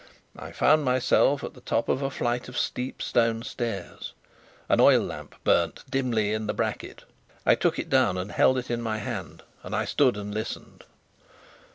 I found myself at the top of a flight of steep stone stairs. An oil lamp burnt dimly in the bracket. I took it down and held it in my hand; and I stood and listened.